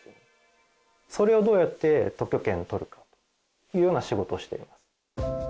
それをどうやって特許権取るかというような仕事をしています。